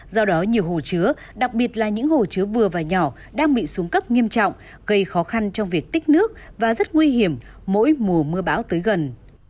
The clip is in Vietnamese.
do đó nhiều hồ chứa đặc biệt là những hồ chứa vừa và nhỏ đang bị xuống cấp nghiêm trọng gây khó khăn trong việc tích nước và rất nguy hiểm mỗi mùa mưa bão tới gần